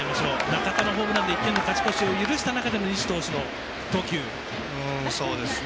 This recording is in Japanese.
中田のホームランで１点の勝ち越しを許した中での西勇輝投手の投球。